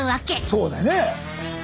そうだね。